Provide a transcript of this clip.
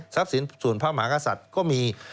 สินส่วนพระมหากษัตริย์ก็มี